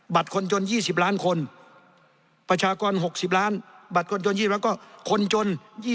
คนจน๒๐ล้านคนประชากร๖๐ล้านบัตรคนจน๒๐ล้านก็คนจน